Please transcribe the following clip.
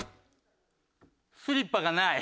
スリッパがない。